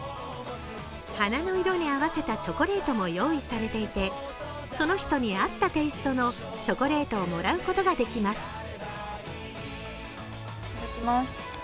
花の色に合わせたチョコレートも用意されていてその人に合ったテイストのチョコレートをもらうことができます。